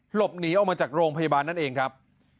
หลบหนีออกมาจากโรงพยาบาลนั่นเองครับ